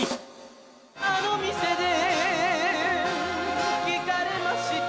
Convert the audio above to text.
「あの店で聞かれました」